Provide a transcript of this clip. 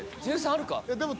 １３あるかも。